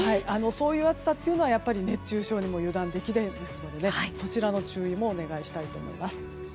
そういう暑さは熱中症も油断できないのでそちらの注意もお願いしたいと思います。